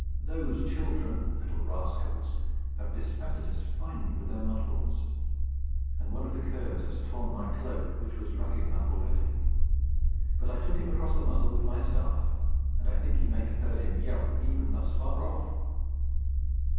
Those children (the little rascals!) have bespattered us finely with their mud balls; and one of the curs has torn my cloak, which was ragged enough already. But I took him across the muzzle with my staff; and I think you may have heard him yelp, even thus far off."